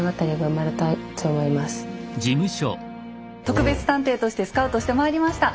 特別探偵としてスカウトしてまいりました